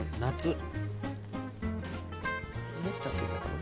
持っちゃっていいのかな？